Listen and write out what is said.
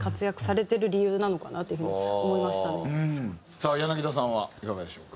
さあ柳田さんはいかがでしょうか？